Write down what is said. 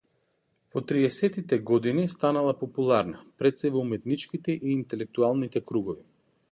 Во триесеттите години станала популарна, пред сѐ во уметничките и интелектуалните кругови.